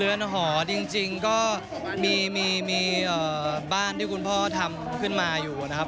เรือนหอจริงก็มีบ้านที่คุณพ่อทำขึ้นมาอยู่นะครับ